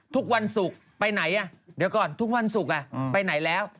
ทุกวันศุกร์ไปไหนเดี๋ยวก่อนทุกวันศุกร์ไปไหนแล้ว